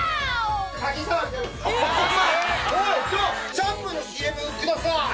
シャンプーのＣＭください！